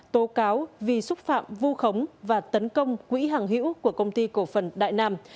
tố cáo vì xúc phạm vu khống và tấn công quỹ hàng hữu của công ty cổ phần đại nam